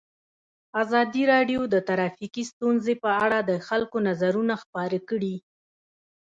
ازادي راډیو د ټرافیکي ستونزې په اړه د خلکو نظرونه خپاره کړي.